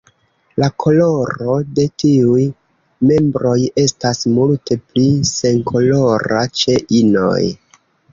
La koloro de tiuj membroj estas multe pli senkolora ĉe inoj.